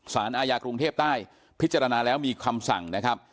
สารอาญากรุงเทพใต้พิจารณาแล้วมีคำสั่งนะครับ